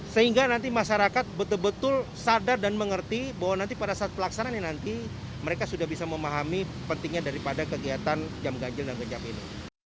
sehingga nanti masyarakat betul betul sadar dan mengerti bahwa nanti pada saat pelaksanaannya nanti mereka sudah bisa memahami pentingnya daripada kegiatan jam ganjil dan genjab ini